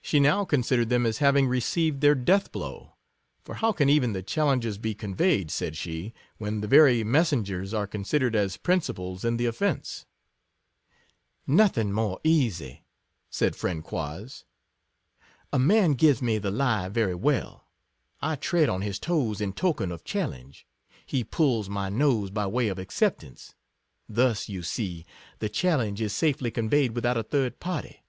She now consi dered them as having received their death blow; for how can even the challenges be conveyed, said she, when the very messen gers are considered as principals in the of Nothiug more easy, said friend Quoz; — a man gives me the lie — very well ; I tread on his toes in token of challenge ;— he pulls my nose by way of acceptance ; thus, you see, the challenge is safely conveyed without a third party.